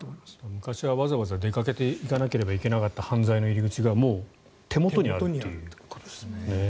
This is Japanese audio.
昔はわざわざ出かけていかなければいけなかった犯罪の入り口がもう手元にあるということですもんね。